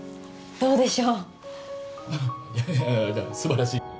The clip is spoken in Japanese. どうでしょう？